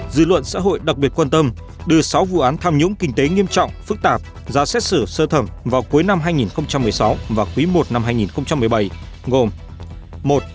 dư luận xã hội đặc biệt quan tâm đưa sáu vụ án tham nhũng kinh tế nghiêm trọng phức tạp ra xét xử sơ thẩm vào cuối năm hai nghìn một mươi sáu và quý i năm hai nghìn một mươi bảy gồm